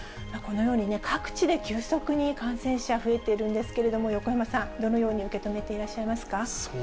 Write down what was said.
このように各地で急速に感染者増えているんですけれども、横山さん、どのように受け止めていらっしゃいますか？